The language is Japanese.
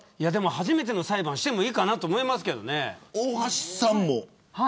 初めての裁判してもいいかなと思いますけどね。